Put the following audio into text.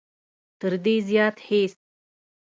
تر دې زیات هېڅ.